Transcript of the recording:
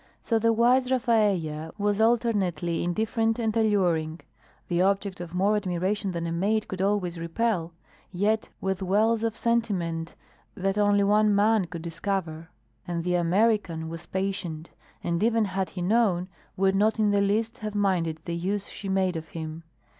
So the wise Rafaella was alternately indifferent and alluring, the object of more admiration than a maid could always repel, yet with wells of sentiment that only one man could discover. And the American was patient, and even had he known, would not in the least have minded the use she made of him.